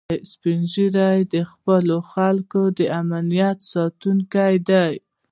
سپین ږیری د خپلو خلکو د امنیت ساتونکي دي